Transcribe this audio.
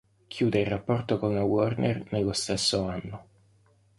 Chiude il rapporto con la Warner nello stesso anno.